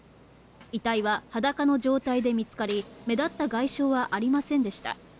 遺体は裸の状態で見つかり、目立った外傷はありませんでした。